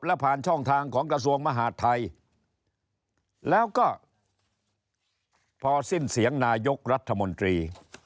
และผ่านช่องทางของกระทรวงมหาดไทยแล้วก็พอสิ้นเสียงนายกรัฐมนตรี